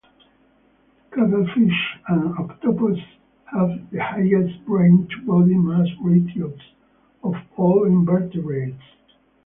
Cuttlefish and octopus have the highest brain-to-body mass ratios of all invertebrates.